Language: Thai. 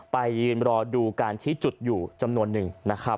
ไปรอดูการที่จุดอยู่จำนวนนึง